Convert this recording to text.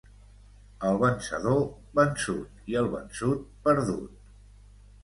El vencedor, vençut, i el vençut, perdut.